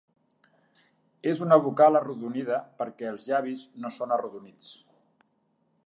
És una vocal arrodonida perquè els llavis no són arrodonits.